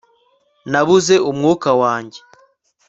nabuze umwuka wanjye